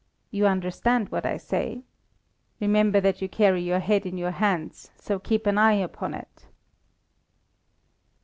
You understand what I say? Remember that you carry your head in your hands, so keep an eye upon it."